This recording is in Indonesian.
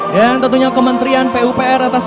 dan tentunya kementrian pupr atas